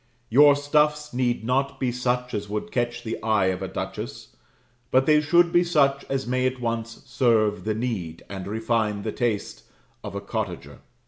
Your stuffs need not be such as would catch the eye of a duchess; but they should be such as may at once serve the need, and refine the taste, of a cottager.